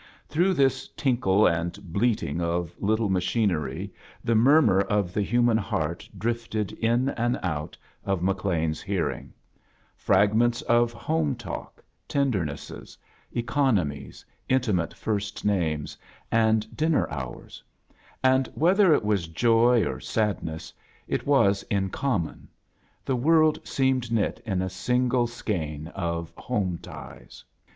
Through this tinkle and bleating of lit tle macfiinery the murmur of the human heart drifted in and out of McLean's fiear A JOURNEY IN SEARCH OF CHRISTMAS ing; fragments of home talk, tendernesses, economiesr intimate first names, and din ner hours; and whether it was Joy or sad ness, it was in common; the world seemed knit in a single skein of home ties.